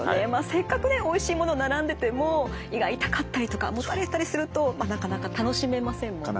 せっかくねおいしいもの並んでても胃が痛かったりとかもたれたりするとなかなか楽しめませんもんね。